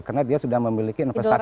karena dia sudah memiliki investasi